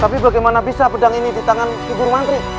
tapi bagaimana bisa pedang ini di tangan ki burmantri